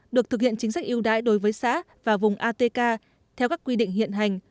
được thực hiện chính sách yêu đái đối với xã và vùng atk theo các quy định hiện hành